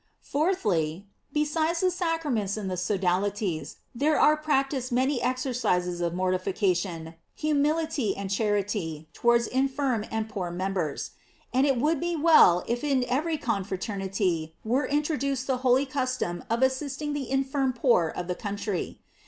J Fourthly, Besides the sacraments in the sodalities, there are practised many exercises of mortification, hu mility, and charity towards infirm and poor members; and it would be well if in every con fraternity were introduced the holy custom of assisting the infirm poor of the country.